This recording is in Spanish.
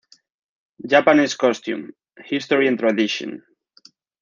Japanese Costume: History and Tradition.